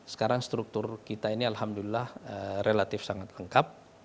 sekarang struktur kita ini alhamdulillah relatif sangat lengkap